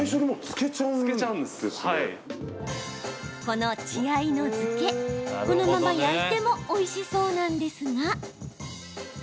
この血合いの漬けこのまま焼いてもおいしそうなんですが。